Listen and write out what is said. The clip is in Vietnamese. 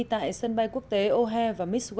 tại sân bay quốc tế o hare và missway tại chicago bị hủy